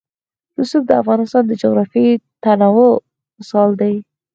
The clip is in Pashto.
رسوب د افغانستان د جغرافیوي تنوع مثال دی.